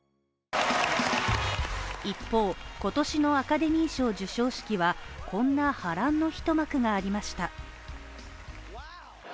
一方、今年のアカデミー賞授賞式はこんな波乱の一幕がありました。